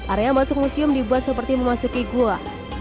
area masuk museum dibuat seperti memasuki gua